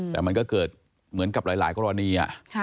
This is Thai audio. แต่มันก็เกิดเหมือนกับหลายกรณี